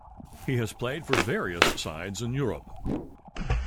He has played for various sides in Europe.